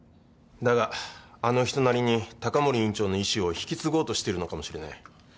だがあの人なりに高森院長の遺志を引き継ごうとしてるのかもしれない。